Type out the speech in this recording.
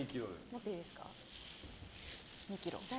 持っていいですか。